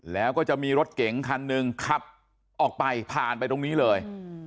แล้วก็จะมีรถเก๋งคันหนึ่งขับออกไปผ่านไปตรงนี้เลย